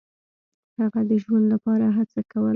هغه د ژوند لپاره هڅه کوله.